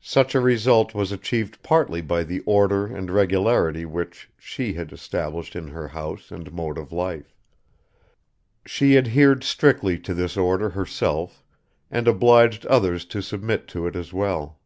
Such a result was achieved partly by the order and regularity which she had established in her house and mode of life. She adhered strictly to this order herself and obliged others to submit to it as well.